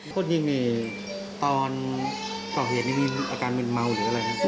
พวกนี้ตอนเก่าเหตุนี้มีอาการเป็นเมาหรืออะไรครับ